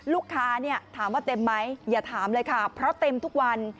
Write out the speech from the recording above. ลูกค้าเนี่ยถามว่าเต็มไหมอย่าถามเลยค่ะเพราะเต็มทุกวัน